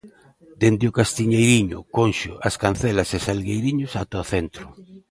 Dende o Castiñeiriño, Conxo, As Cancelas e Salgueiriños ata o centro.